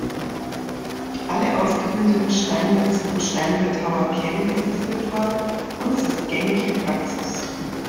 Alle ausgebildeten Steinmetzen und Steinbildhauer kennen dieses Ritual und es ist gängige Praxis.